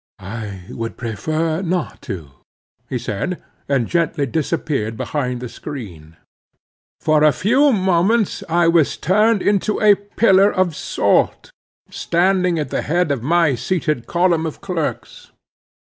"I would prefer not to," he said, and gently disappeared behind the screen. For a few moments I was turned into a pillar of salt, standing at the head of my seated column of clerks.